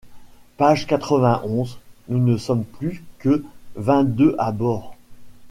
Page quatre-vingt-onze. Nous ne sommes plus que vingt-deux à bord.